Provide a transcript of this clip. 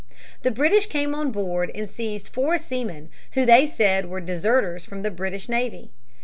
The British came on board and seized four seamen, who they said were deserters from the British navy.